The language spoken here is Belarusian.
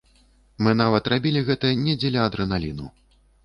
Мы нават рабілі гэта не дзеля адрэналіну.